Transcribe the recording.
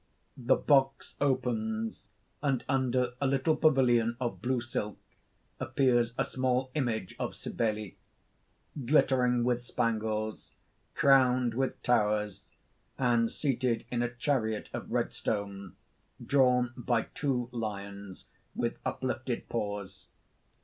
(_The box opens; and under a little pavilion of blue silk appears a small image of Cybele glittering with spangles, crowned with towers, and seated in a chariot of red stone, drawn by two lions, with uplifted paws.